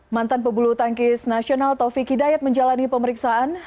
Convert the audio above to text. mantan pebulu tangkis nasional taufik hidayat menjalani pemeriksaan